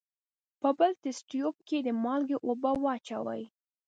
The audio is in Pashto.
په بل تست تیوب کې د مالګې اوبه واچوئ.